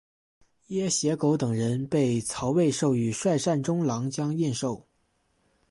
掖邪狗等人被曹魏授予率善中郎将印绶。